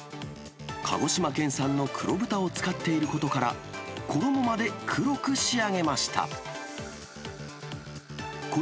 鹿児島県産の黒豚を使っていることから、衣まで黒く仕上げました。